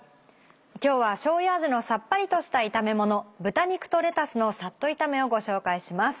今日はしょうゆ味のさっぱりとした炒めもの「豚肉とレタスのさっと炒め」をご紹介します。